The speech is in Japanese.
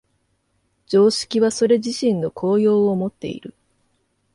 常識はそれ自身の効用をもっている。